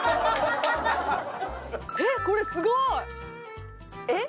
えっこれすごい！えっ？